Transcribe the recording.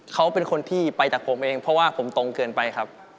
เขาเป็นคนที่ไปจากผมเองเพราะว่าผมตรงเกินไปครับ